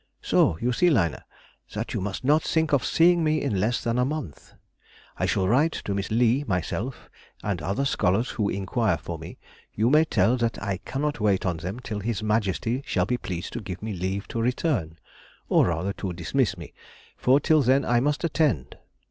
So you see, Lina, that you must not think of seeing me in less than a month. I shall write to Miss Lee myself; and other scholars who inquire for me, you may tell that I cannot wait on them till His Majesty shall be pleased to give me leave to return, or rather to dismiss me, for till then I must attend.